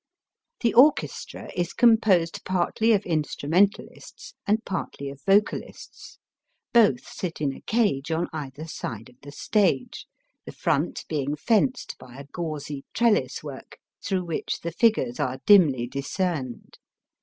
The orchestra is composed partly of instru mentalists and partly of vocalists. Both sit in a cage on either side of the stage, the front being fenced by a gauzy trellis work, through which the figures are dimly discerned.